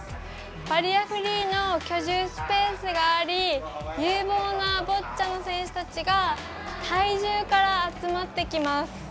バリアフリーの居住スペースがあり有望なボッチャの選手たちがタイ中から集まってきます。